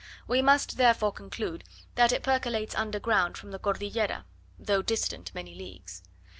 We must therefore conclude that it percolates under ground from the Cordillera, though distant many leagues.